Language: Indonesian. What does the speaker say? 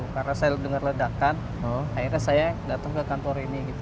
karena saya dengar ledakan akhirnya saya datang ke kantor ini